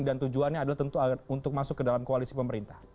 dan tujuannya adalah tentu untuk masuk ke dalam koalisi pemerintah